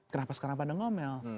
kenapa sekarang pada ngomel